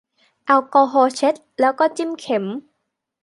แอลกอฮอล์เช็ดแล้วก็จิ้มเข็ม